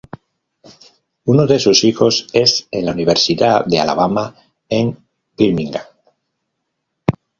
Uno de sus hijos es en la Universidad de Alabama en Birmingham.